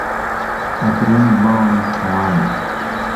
ئهبرۆی ماڵی کهوانه